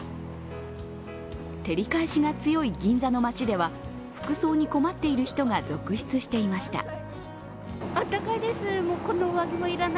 照り返しが強い銀座の街では服装に困っている人が続出していました。